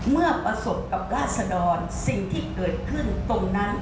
เมื่อประสบกับราษดรสิ่งที่เกิดขึ้นตรงนั้น